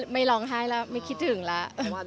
ไม่ร้องไห้แล้วไม่คิดถึงแล้ว